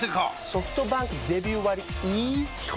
ソフトバンクデビュー割イズ基本